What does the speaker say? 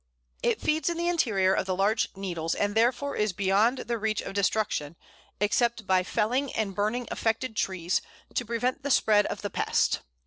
It feeds in the interior of the Larch needles, and therefore is beyond the reach of destruction, except by felling and burning affected trees, to prevent the spread of the pest.